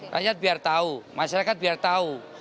rakyat biar tahu masyarakat biar tahu